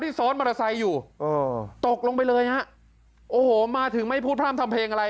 ซ้อนมอเตอร์ไซค์อยู่เออตกลงไปเลยฮะโอ้โหมาถึงไม่พูดพร่ำทำเพลงอะไร